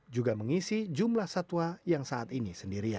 juga mengisi jumlah satwa yang saat ini sendirian